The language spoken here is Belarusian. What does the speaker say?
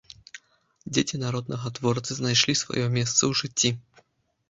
Дзеці народнага творцы знайшлі сваё месца ў жыцці.